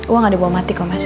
uang gak dibawa mati kok mas